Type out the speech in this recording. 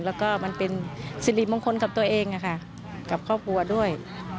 แล้วก็มันเป็นสิริมงคลกับตัวเองกับครอบครัวด้วย